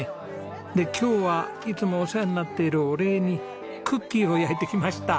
で今日はいつもお世話になっているお礼にクッキーを焼いてきました。